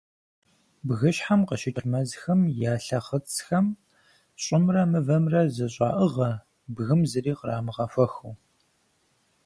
Бгыщхьэм къыщыкӏ мэзхэм я лъэхъыцхэм щӏымрэ мывэмрэ зэщӏаӏыгъэ бгым зыри кърамыгъэхуэхыу.